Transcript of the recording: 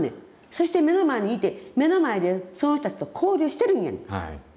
そして目の前にいて目の前でその人たちと交流してるんや。